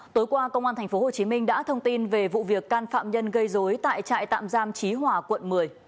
tối qua công an tp hcm đã thông tin về vụ việc can phạm nhân gây dối tại trại tạm giam trí hòa quận một mươi